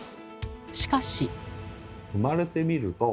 しかし。